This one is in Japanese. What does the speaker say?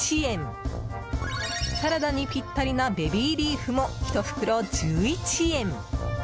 サラダにぴったりなベビーリーフも１袋１１円。